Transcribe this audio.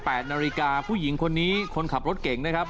นาฬิกาผู้หญิงคนนี้คนขับรถเก่งนะครับ